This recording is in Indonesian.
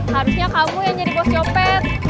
harusnya kamu yang jadi bos copet